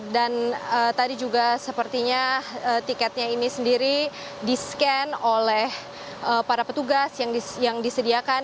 dan tadi juga sepertinya tiketnya ini sendiri disken oleh para petugas yang disediakan